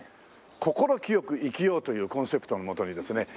心清く生きようというコンセプトのもとにですね